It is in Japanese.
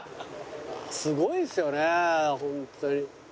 すごいですよねホントに。